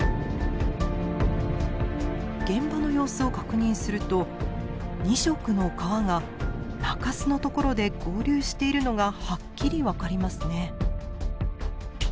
現場の様子を確認すると２色の川が中州のところで合流しているのがはっきり分かりますね。